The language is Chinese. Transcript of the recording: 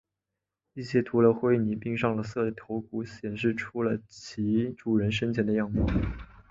一些涂了灰泥并上了色的头骨显示出了其主人生前的样貌。